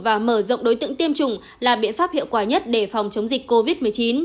và mở rộng đối tượng tiêm chủng là biện pháp hiệu quả nhất để phòng chống dịch covid một mươi chín